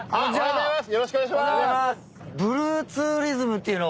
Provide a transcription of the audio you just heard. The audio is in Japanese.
よろしくお願いします。